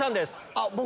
あっ僕？